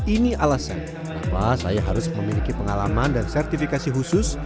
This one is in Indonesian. ini alasan kenapa saya harus memiliki pengalaman dan sertifikasi khusus